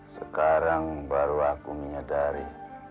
sekarang baru aku menyadari